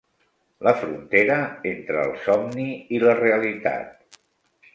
La frontera entre el somni i la realitat.